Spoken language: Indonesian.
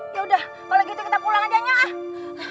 yaudah kalau gitu kita pulang aja ya ah